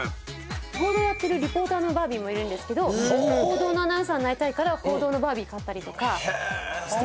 報道やってるリポーターのバービーもいるんですけど報道のアナウンサーになりたいから報道のバービー買ったりとかしてます。